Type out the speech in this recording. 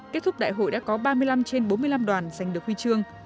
kết thúc đại hội đã có ba mươi năm trên bốn mươi năm đoàn giành được huy chương